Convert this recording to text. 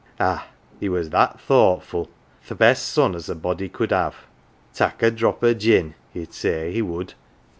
Ah ! he was that thoughtful th' best son as a body could have. 4 Tak' a drop o' gin," 1 he'd say, he would."